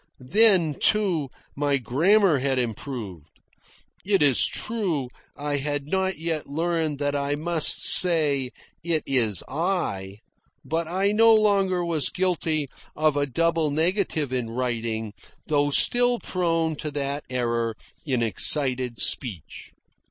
Then, too, my grammar had improved. It is true, I had not yet learned that I must say "It is I"; but I no longer was guilty of a double negative in writing, though still prone to that error in excited speech.